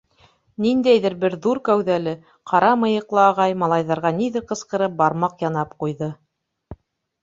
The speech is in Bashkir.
Ниндәйҙер бер ҙур кәүҙәле, ҡара мыйыҡлы ағай, малайҙарға ниҙер ҡысҡырып, бармаҡ янап ҡуйҙы.